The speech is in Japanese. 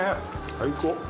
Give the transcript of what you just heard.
最高。